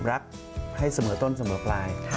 รักให้เสมอต้นเสมอปลาย